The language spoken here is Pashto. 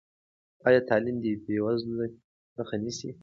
ایا تعلیم د بېوزلۍ مخه نیسي؟